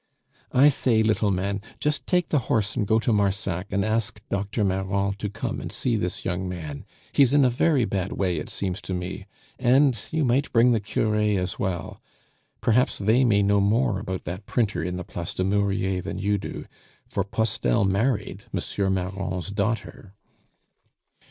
"I say, little man, just take the horse and go to Marsac and ask Dr. Marron to come and see this young man; he is in a very bad way, it seems to me, and you might bring the cure as well. Perhaps they may know more about that printer in the Place du Murier than you do, for Postel married M. Marron's daughter."